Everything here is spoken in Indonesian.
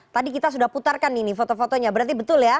tadi kita sudah putarkan ini foto fotonya berarti betul ya